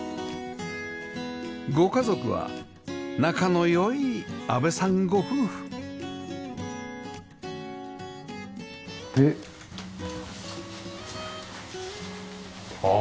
ご家族は仲の良い阿部さんご夫婦でああっ。